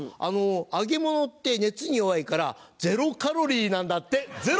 揚げ物って熱に弱いからゼロカロリーなんだってゼロ！